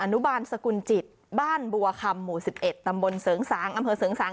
นุบาลสกุลจิตบ้านบัวคำหมู่๑๑ตำบลเสริงสางอำเภอเสริงสาง